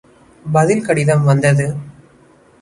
பதில் கடிதம் வந்தது.